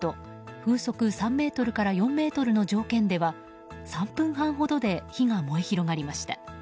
風速３メートルから４メートルの条件では３分半ほどで火が燃え広がりました。